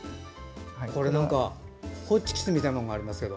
これホッチキスみたいなものがありますが。